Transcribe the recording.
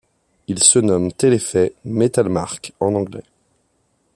Il se nomme Telephae Metalmark en anglais.